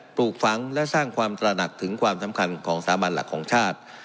ปลูกฝังและสร้างความตระหนักถึงความสำคัญของสามัญหลักของชาติ